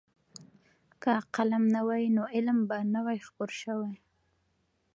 که قلم نه وای نو علم به نه وای خپور شوی.